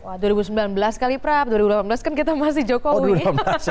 wah dua ribu sembilan belas kali prap dua ribu delapan belas kan kita masih jokowi